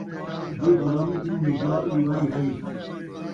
دِی غلامی کنوں نِجات ݙِیوائی ہَئی،